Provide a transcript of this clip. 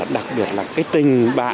đặc biệt là cái tình bạn